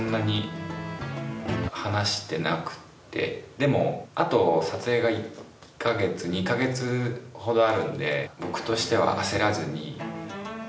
でもあと撮影が１か月２か月ほどあるんで僕としては。